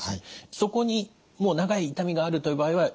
そこにもう長い痛みがあるという場合は行けばよい？